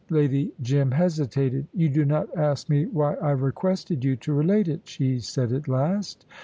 Lady Jim hesitated. "You do not ask me why I requested you to relate it," she said at last.